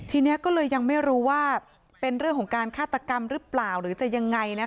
ทีนี้ก็เลยยังไม่รู้ว่าเป็นเรื่องของการฆาตกรรมหรือเปล่าหรือจะยังไง